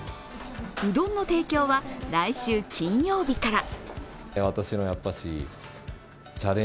うどんの提供は来週金曜日から。